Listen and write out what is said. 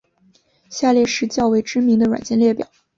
下列是较为知名的软件列表。